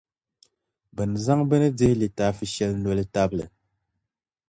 bɛ ni zaŋ bini dihi litaafi shɛli noli tabili.